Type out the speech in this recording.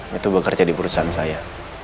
itu bekerja di perusahaan saya